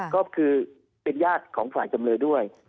ก็คือเป็นญาติของฝ่ายจำเลยด้วย